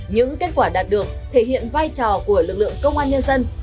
những kết quả đạt được thể hiện vai trò của lực lượng công an nhân dân